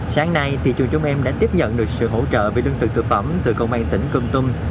sáng nay thì chúng chúng em đã tiếp nhận được sự hỗ trợ về đơn thực thực phẩm từ công an tỉnh công tum